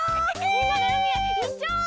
みんなでうみへいっちゃおう！